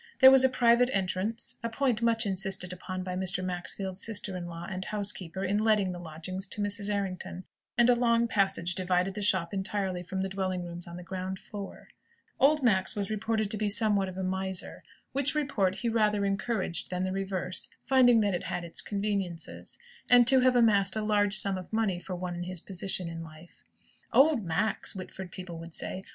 There was a private entrance a point much insisted upon by Mr. Maxfield's sister in law and housekeeper in letting the lodgings to Mrs. Errington and a long passage divided the shop entirely from the dwelling rooms on the ground floor. Old Max was reported to be somewhat of a miser (which report he rather encouraged than the reverse, finding that it had its conveniences), and to have amassed a large sum of money for one in his position in life. "Old Max!" Whitford people would say.